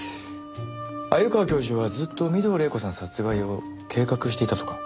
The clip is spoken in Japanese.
鮎川教授はずっと御堂黎子さん殺害を計画していたとか？